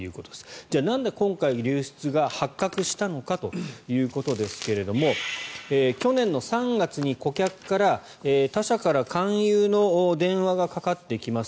じゃあなんで今回、流出が発覚したのかということですが去年３月に顧客から他社から勧誘の電話がかかってきます